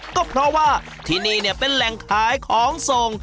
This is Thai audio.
ก็เพราะว่าที่นี่เนี่ยเป็นแรงขายของส่ง